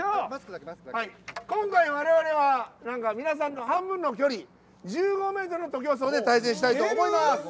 今回、われわれは皆さんの半分の距離１５ｍの徒競走で挑戦したいと思います。